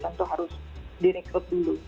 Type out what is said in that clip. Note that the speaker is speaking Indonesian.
itu harus dinex up dulu